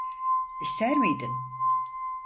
İster miydin?